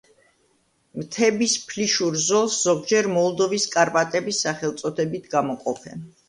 მთების ფლიშურ ზოლს ზოგჯერ მოლდოვის კარპატების სახელწოდებით გამოყოფენ.